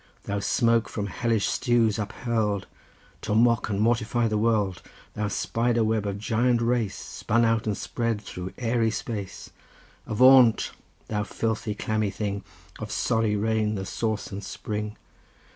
Thou smoke from hellish stews uphurl'd To mock and mortify the world! Thou spider web of giant race, Spun out and spread through airy space! Avaunt, thou filthy, clammy thing, Of sorry rain the source and spring!